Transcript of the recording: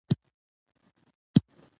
مور د کورنۍ غړو ته صحي چای جوړوي.